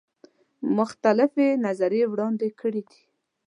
مختلفي نظریې وړاندي کړي دي.